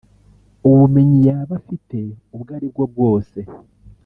ubumenyi yaba afite ubwo ari bwo bwose